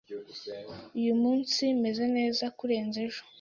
Uyu munsi meze neza kurenza ejo.